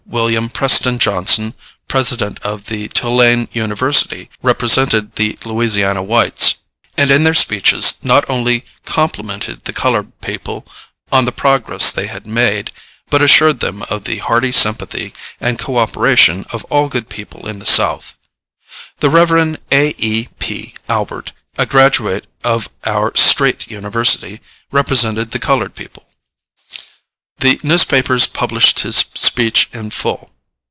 Wm. Preston Johnson, President of the Tulane University, represented the Louisiana whites, and in their speeches not only complimented the colored people on the progress they had made, but assured them of the hearty sympathy and co operation of all good people in the South. The Rev. A. E. P. Albert, a graduate of our Straight University, represented the colored people. The newspapers published his speech in full.